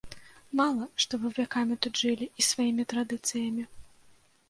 Мала, што вы вякамі тут жылі і сваімі традыцыямі.